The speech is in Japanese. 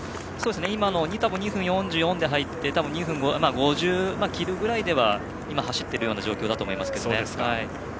２分４４で入ってるので２分５０を切るぐらいでは今、走っている状況だと思います。